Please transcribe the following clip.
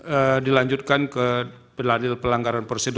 pemohon dilanjutkan ke pendalil pelanggaran prosedur